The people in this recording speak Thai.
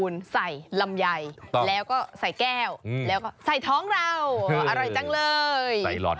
อร่อยจังเลย